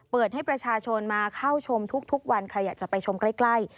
เปิดให้ประชาชนมาเข้าชมทุกวันใครอยากจะไปชมใกล้